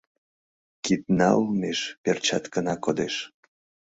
Кидна олмеш перчаткына кодеш.